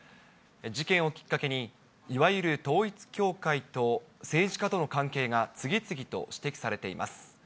事件をきっかけに、いわゆる統一教会と政治家との関係が次々と指摘されています。